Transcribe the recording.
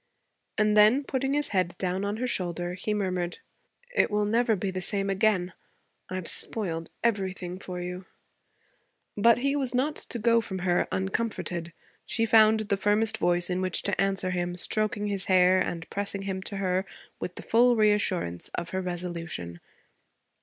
And then, putting his head down on her shoulder, he murmured, 'It will never be the same again. I've spoiled everything for you.' But he was not to go from her uncomforted. She found the firmest voice in which to answer him, stroking his hair and pressing him to her with the full reassurance of her resolution.